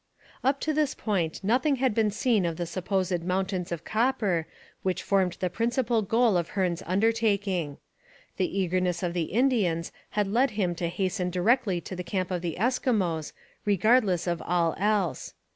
Up to this point nothing had been seen of the supposed mountains of copper which formed the principal goal of Hearne's undertaking. The eagerness of the Indians had led them to hasten directly to the camp of the Eskimos regardless of all else.